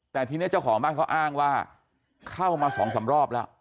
แต่ทีนี้เจ้าของบ้านเขาอ้างว่าเข้ามาสองสามรอบแล้ว